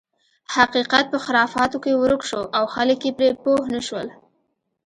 حقیقت په خرافاتو کې ورک شو او خلک یې پرې پوه نه شول.